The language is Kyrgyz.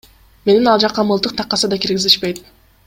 Мени ал жакка мылтык такаса да киргизишпейт.